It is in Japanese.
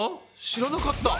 知らなかった。